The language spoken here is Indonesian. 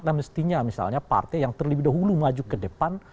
nah mestinya misalnya partai yang terlebih dahulu maju ke depan